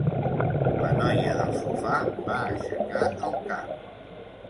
La noia del sofà va aixecar el cap.